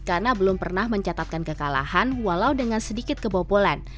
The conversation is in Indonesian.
karena belum pernah mencatatkan kekalahan walau dengan sedikit kebopolan